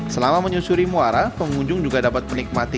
selama menyusuri muara pengunjung juga dapat menikmati